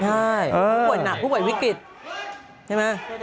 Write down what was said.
ใช่ผู้ป่วยหนักผู้ป่วยวิกฤตใช่ไหม